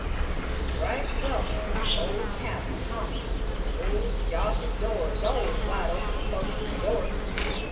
Then thrice welcome to my old cabin and hominy; old Josh's door is allus wide open to folks from New York."